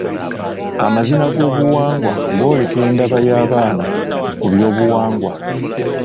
Amazina g'obuwangwa gooleka endaba y'abaana ku byobuwangwa.